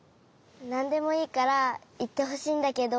なんでもいいからいってほしいんだけど。